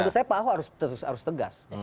menurut saya pak ahok harus tegas